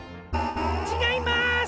ちがいます！